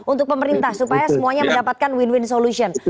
untuk pemerintah supaya semuanya mendapatkan win win solution